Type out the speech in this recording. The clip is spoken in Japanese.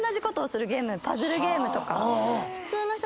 パズルゲームとか。